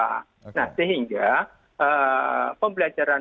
nah sehingga pembelajaran daring